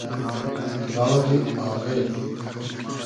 لاغی آغیل